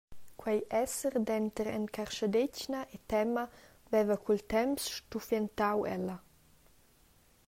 Quei esser denter encarschadetgna e tema veva cul temps stuffientau ella.